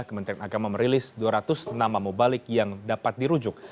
kementerian agama merilis dua ratus nama mubalik yang dapat dirujuk